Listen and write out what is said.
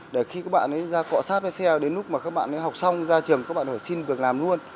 để khi các bạn ấy ra cọ sát với xe đến lúc mà các bạn ấy học xong ra trường các bạn phải xin việc làm luôn